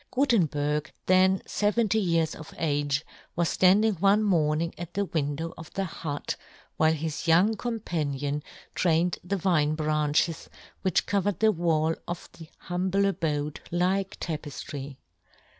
Gutenberg, then fe venty years of age, was flanding one morning at the window of the hut while his young companion trained the vine branches which covered the wall of the humble abode like tapef try.